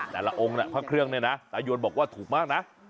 แต่ละองค์พระเครื่องเนี่ยนะตายวนบอกว่าถูกมากนะ